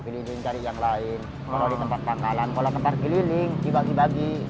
kalau di tempat tangkalan kalau tempat keliling dibagi bagi